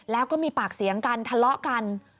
แล้วก็มีปากเสียงกันทะเลาะกัน